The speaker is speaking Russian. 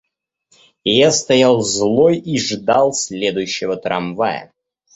Я стоял злой и ждал следующего трамвая.